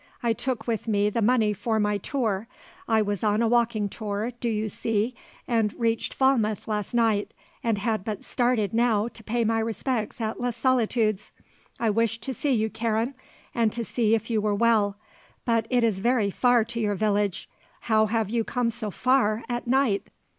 I took with me the money for my tour; I was on a walking tour, do you see, and reached Falmouth last night and had but started now to pay my respects at Les Solitudes. I wished to see you, Karen, and to see if you were well. But it is very far to your village. How have you come so far, at night?"